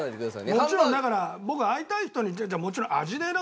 もちろんだから僕会いたい人に違う違う。